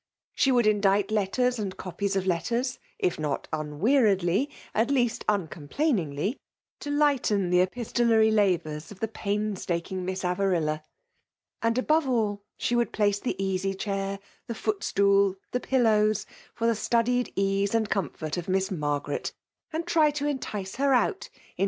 She would indite letters and copies of letters, if not unweariedly, at least uncom plainingly, to lighten the epistolary labours of the painstaking Miss AvariUa ; and, above all, she would place the easy chair, the footstool, the pillows, for the studied case and comfort of TAiaa Margaret ; and try to entice her out, into VBMALE DOMINATION.